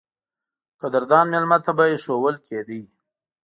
قدردان مېلمه ته به اېښودل کېده.